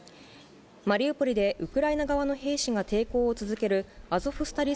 マリウポリでウクライナ側の兵士が抵抗を続けるアゾフスタリ